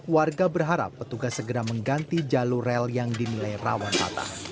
warga berharap petugas segera mengganti jalur rel yang dinilai rawan patah